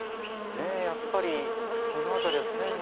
やっぱりこの辺りは線路。